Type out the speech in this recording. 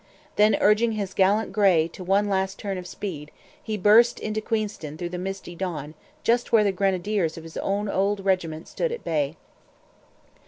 Then, urging his gallant grey to one last turn of speed, he burst into Queenston through the misty dawn just where the grenadiers of his own old regiment stood at bay.